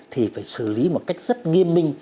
thì phải xử lý một cách rất nghiêm minh